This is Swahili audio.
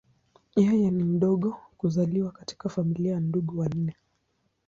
Yeye ni mdogo kuzaliwa katika familia ya ndugu wanne.